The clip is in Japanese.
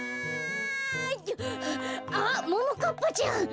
あっももかっぱちゃん！